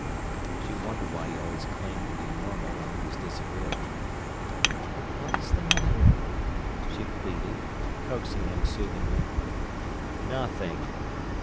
She wondered why he always claimed to be normal when he was disagreeable. "But what is the matter?" she pleaded, coaxing him soothingly. "Nothing!"